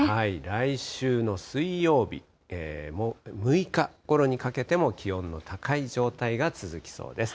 来週の水曜日、６日ごろにかけても気温の高い状態が続きそうです。